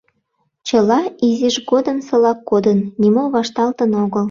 Чыла изиж годымсылак кодын, нимо вашталтын огыл.